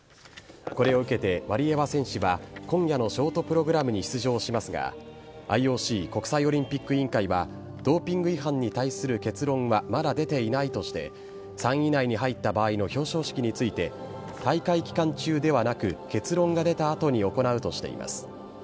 これを受けて、ワリエワ選手は今夜のショートプログラムに出場しますが、ＩＯＣ・国際オリンピック委員会はドーピング違反に対する結論はまだ出ていないとして、３位以内に入った場合の表彰式について、大会期間中ではなく、結論が出たあとに行うとしています。